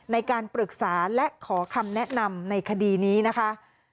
ในการปรึกษาและขอคำแนะนำในคดีนี้นะคะ